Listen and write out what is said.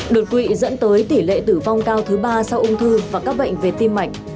đột quỵ dẫn tới tỷ lệ tử vong cao thứ ba sau ung thư và các bệnh về tim mạch